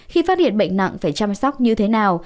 khi phát hiện bệnh nặng phải chăm sóc như thế nào